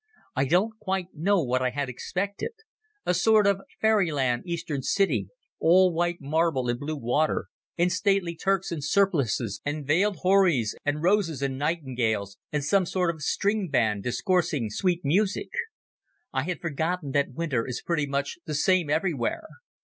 I don't quite know what I had expected—a sort of fairyland Eastern city, all white marble and blue water, and stately Turks in surplices, and veiled houris, and roses and nightingales, and some sort of string band discoursing sweet music. I had forgotten that winter is pretty much the same everywhere.